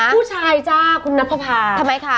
ผู้ชายจ้าคุณนับภาทำไมคะ